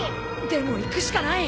でも行くしかない。